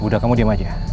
udah kamu diem aja